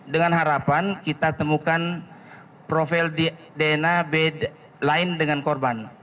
dengan harapan kita temukan profil dna lain dengan korban